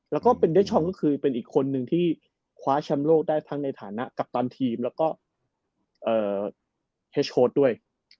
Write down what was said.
แล้วก็เป็นเดชชองก็คือเป็นอีกคนนึงที่คว้าแชมป์โลกได้ทั้งในฐานะกัปตันทีมแล้วก็เฮสโค้ดด้วย